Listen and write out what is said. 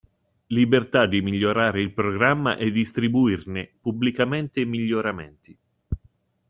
Libertà di migliorare il programma e distribuirne pubblicamente i miglioramenti.